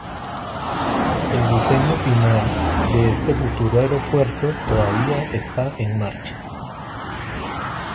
El diseño final de este futuro aeropuerto todavía está en marcha.